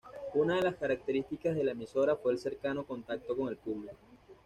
Una de las características de la emisora fue el cercano contacto con el público.